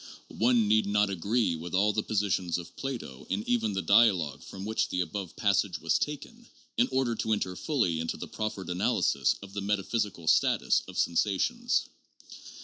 One need not agree with all the positions of Plato in even the dialogue from which the above passage was taken in order to enter fully into the proffered analysis of the metaphysical status of sensations.